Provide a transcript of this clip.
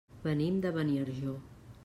Venim de Beniarjó.